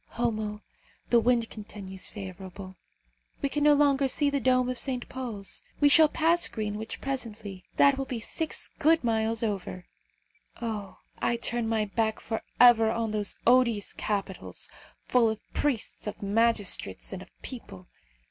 Homo, the wind continues favourable. We can no longer see the dome of St. Paul's. We shall pass Greenwich presently. That will be six good miles over. Oh! I turn my back for ever on those odious capitals, full of priests, of magistrates, and of people.